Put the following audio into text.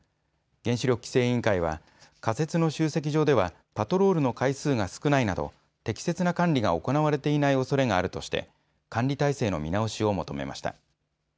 原子力規制委員会は仮設の集積場ではパトロールの回数が少ないなど適切な管理が行われていないおそれがあるとして管理態勢の見直しを求めました。